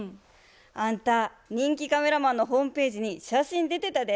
「あんた人気カメラマンのホームページに写真出てたで。